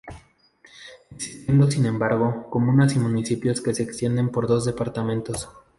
Existiendo sin embargo comunas y municipios que se extienden por dos departamentos.